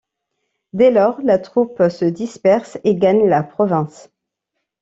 Dès lors, la troupe se disperse et gagne la province.